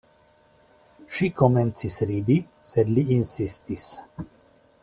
Ŝi komencis ridi, sed li insistis.